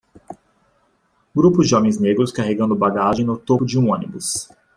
Grupo de homens negros carregando bagagem no topo de um ônibus